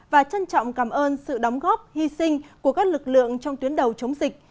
và trân trọng cảm ơn sự đóng góp hy sinh của các lực lượng trong tuyến đầu chống dịch